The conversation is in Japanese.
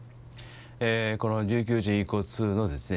この琉球人遺骨のですね